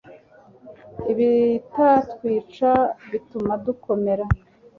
ibitatwica bituma dukomera